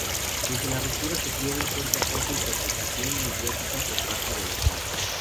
Desde la ruptura sufrió un fuerte acoso y persecución mediática por parte del letrado.